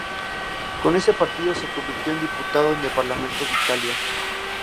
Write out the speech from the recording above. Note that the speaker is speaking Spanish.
Con ese partido se convirtió en diputado en el Parlamento de Italia.